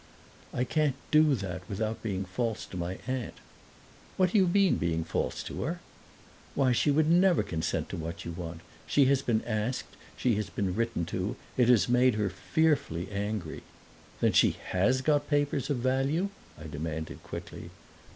"I can't do that without being false to my aunt." "What do you mean, being false to her?" "Why, she would never consent to what you want. She has been asked, she has been written to. It made her fearfully angry." "Then she HAS got papers of value?" I demanded quickly.